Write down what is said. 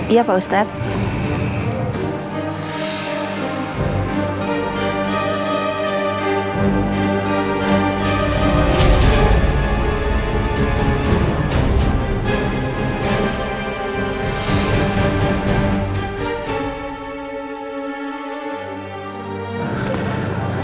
iya pak ustadz